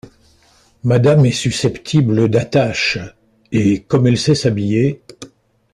Madame est susceptible d’attache... — Et comme elle sait s’habiller!...